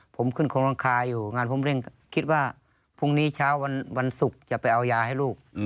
ผมขึ้นโครงรังคาอยู่งานผมเร่งคิดว่าพรุ่งนี้เช้าวันศุกร์จะไปเอายาให้ลูก